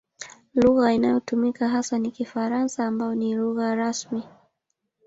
Lugha inayotumika hasa ni Kifaransa ambayo ni lugha rasmi.